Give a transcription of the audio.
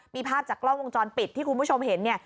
มีภาพจากกล้องวงจรปิดที่คุณผู้ชมเห็นเนี่ย